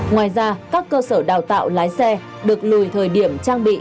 ngoài ra các cơ sở đào tạo lái xe được lùi thời điểm trang bị